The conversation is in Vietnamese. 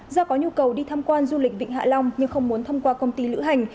do có nhu cầu đi tham quan du lịch vịnh hạ long nhưng không muốn thông qua công ty lữ hành